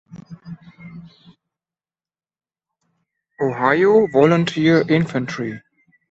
Ohio Volunteer Infantry".